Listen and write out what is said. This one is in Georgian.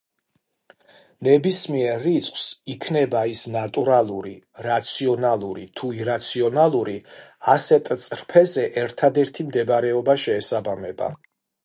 ნებისმიერ რიცხვს იქნება ის ნატურალური, რაციონალური თუ ირაციონალური ასეთ წრფეზე ერთადერთი მდებარეობა შეესაბამება.